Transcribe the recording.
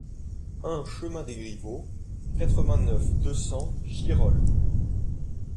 un chemin des Grivaux, quatre-vingt-neuf, deux cents, Girolles